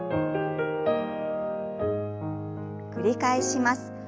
繰り返します。